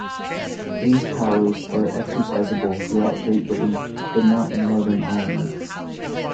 These powers are exercisable throughout Great Britain, but not in Northern Ireland.